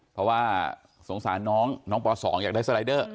เพราะว่าสงสารน้องน้องป๒อยากได้สไลเดอร์